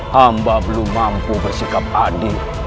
hamba belum mampu bersikap adil